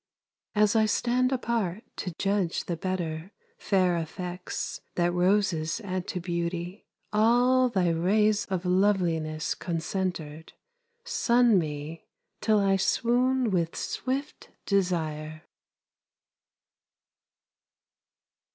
As I stand apart to judge the better Fair effects that roses add to beauty, All thy rays of loveliness concentered Sun me till I swoon with swift desire.